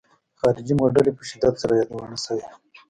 خارجي موډل یې په شدت سره یادونه شوې.